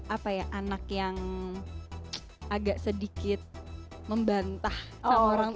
apa ya anak yang agak sedikit membantah sama orang